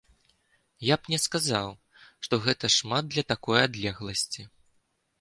Я б не сказаў, што гэта шмат для такой адлегласці.